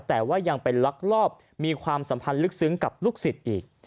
แต่ว่ายังเป็นลักลอบมีความสัมพันธ์ลึกซึ้งกับลูกศิษย์อีก